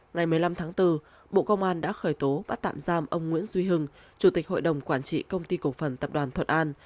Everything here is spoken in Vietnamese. ngày một mươi năm tháng bốn bộ công an đã khởi tố bắt tạm giam ông nguyễn duy hưng chủ tịch hội đồng quản trị công ty cổ phần tập đoàn thuận an